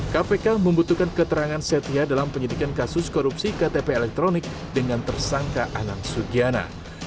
kpk membutuhkan keterangan setia dalam penyidikan kasus korupsi ktp elektronik dengan tersangka anang sugiana